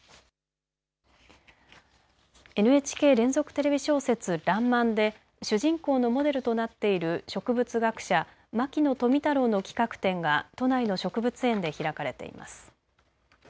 ＮＨＫ連続テレビ小説、らんまんで主人公のモデルとなっている植物学者、牧野富太郎の企画展が都内の植物園で開かれています。